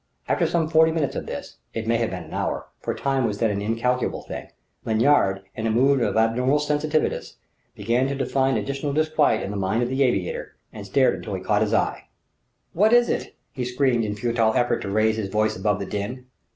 After some forty minutes of this it may have been an hour, for time was then an incalculable thing Lanyard, in a mood of abnormal sensitiveness, began to divine additional disquiet in the mind of the aviator, and stared until he caught his eye. "What is it?" he screamed in futile effort to lift his voice above the din.